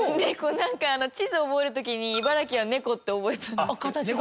なんか地図を覚える時に茨城はネコって覚えたんですけど。